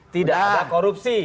tidak ada korupsi